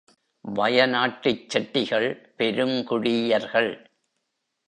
வய நாட்டுச் செட்டிகள் பெருங் குடியர்கள்.